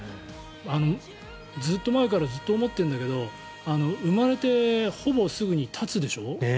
ずっと前からずっと思ってるんだけど生まれてほぼすぐに立つでしょ。